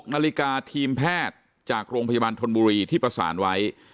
นาฬิกาทีมแพทย์จากโรงพยาบาลธนบุรีที่ประสานไว้